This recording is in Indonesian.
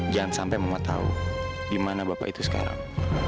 jangan sampai mama tahu di mana bapak itu sekarang